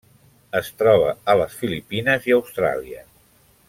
Es troba a les Filipines i Austràlia.